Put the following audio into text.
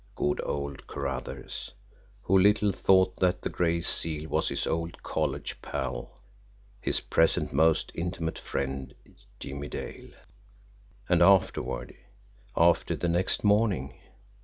Good old Carruthers who little thought that the Gray Seal was his old college pal, his present most intimate friend, Jimmie Dale! And afterward after the next morning?